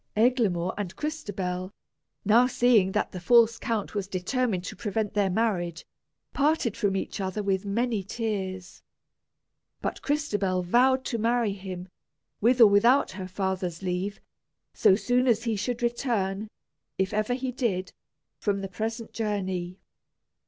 Eglamour and Crystabell, now seeing that the false count was determined to prevent their marriage, parted from each other with many tears. But Crystabell vowed to marry him, with or without her father's leave, so soon as he should return, if ever he did, from the present journey.